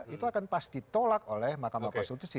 itu akan pasti tolak oleh mahkamah konstitusi